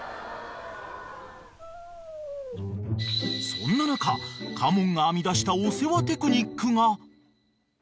［そんな中嘉門が編み出したお世話テクニックが］